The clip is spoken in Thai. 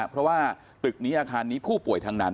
เพราะว่าตึกนี้อาคารนี้ผู้ป่วยทั้งนั้น